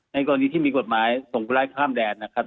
ในกรณีที่มีกฎหมายส่งไล่ข้ามแดดนะครับ